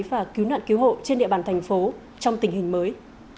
và cứu nạn cứu hộ trên địa bàn thành phố trong tình hình mới